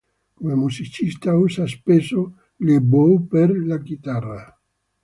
Come musicista, usa spesso l'E-bow per la chitarra.